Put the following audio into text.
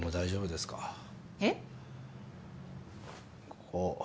ここ。